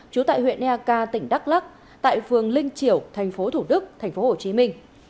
chú tại huyện ea ca tỉnh đắk lắc tại phường linh triểu thành phố thủ đức thành phố hồ chí minh